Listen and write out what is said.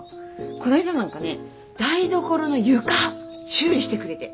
こないだなんかね台所の床修理してくれて。